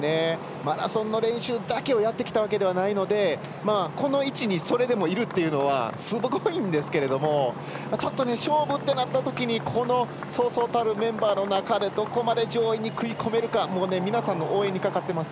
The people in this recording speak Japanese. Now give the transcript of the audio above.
マラソンの練習だけをやってきたわけではないのでこの位置にそれでもいるのはすごいんですけど勝負ってなったときにこのそうそうたるメンバーの中でどこまで上位に食い込めるか皆さんの応援にかかってます。